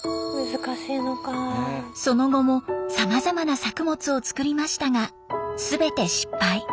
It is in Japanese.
その後もさまざまな作物を作りましたが全て失敗。